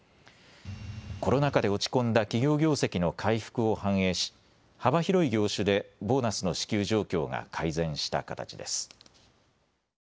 コロナ禍で落ち込んだ企業業績の回復を反映し幅広い業種でボーナスの支給状況が改善した形です。